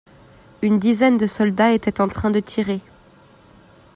Une dizaine de soldats étaient en train de tirer.